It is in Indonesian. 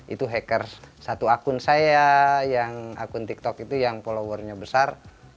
itu hackers satu akun saya yang akun tiktok itu yang followernya besar